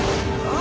あ！